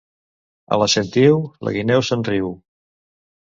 A la Sentiu, la guineu se'n riu.